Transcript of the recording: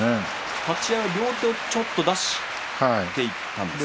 立ち合い両手をちょっと出していったんですね。